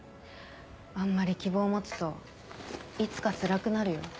あんまり希望持つといつかつらくなるよ？